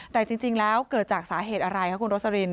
แต่จริงแล้วเกิดจากสาเหตุอะไรคะคุณโรสลิน